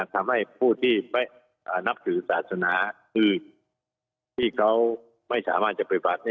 ทำให้ผู้ที่ไปนับสื่อศาสนาหรือที่เขาไม่สามารถจะไปบัด